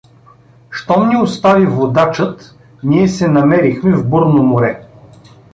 Щом ни остави водачът, ние се намерихме в бурно море.